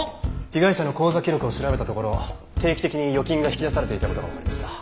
被害者の口座記録を調べたところ定期的に預金が引き出されていた事がわかりました。